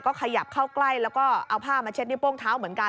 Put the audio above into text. ขยับเข้าใกล้แล้วก็เอาผ้ามาเช็ดในโป้งเท้าเหมือนกัน